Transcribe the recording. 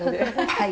はい。